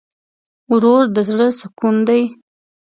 ورور د زړه سکون دی.